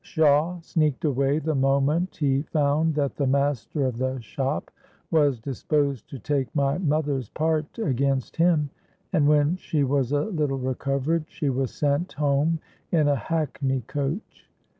Shawe sneaked away the moment he found that the master of the shop was disposed to take my mother's part against him; and when she was a little recovered, she was sent home in a hackney coach.